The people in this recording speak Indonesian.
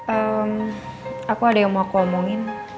ehm aku ada yang mau aku omongin